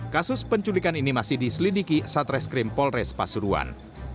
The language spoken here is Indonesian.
kasus penculikan ini masih diselidiki satreskrim polres pasuruan